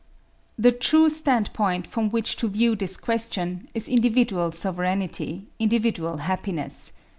"The true standpoint from which to view this question is individual sovereignty, individual happiness.